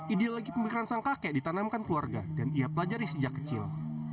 ideologi pemikiran sang kakek ditanamkan keluarga dan ia pelajari sejak kecil